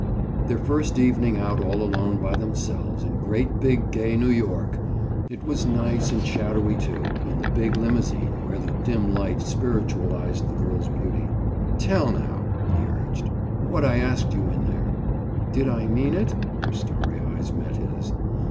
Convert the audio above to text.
Their first evening out all alone by themselves in great, big gay New York! It was nice and shadowy, too, in the big limousine where the dim light spiritualized the girl's beauty. "Tell now," he urged, "what I asked you in there?" "Did I mean it?" Her starry eyes met his.